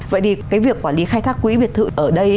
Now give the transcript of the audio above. vậy thì cái việc quản lý khai thác quỹ biệt thự ở đây